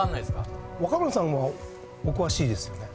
若村さんはお詳しいですよね？